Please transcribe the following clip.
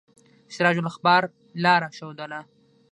سراج الاخبار لاره ښودله.